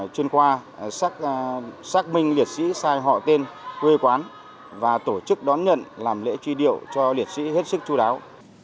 chuyên khoa xác minh liệt sĩ sai họ tên quê quán và tổ chức đón nhận làm lễ truy điệu cho liệt sĩ hết sức chú đáo